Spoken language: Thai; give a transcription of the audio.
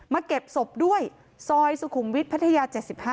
เก็บศพด้วยซอยสุขุมวิทย์พัทยา๗๕